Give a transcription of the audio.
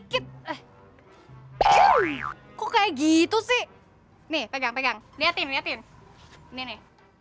kit eh kok kayak gitu sih nih pegang pegang lihatin niatin ini